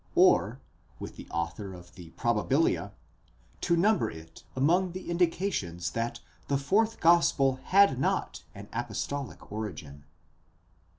or, with the author of the Probabilia, to number it among the indications that the fourth gospel had not an apostolic origin.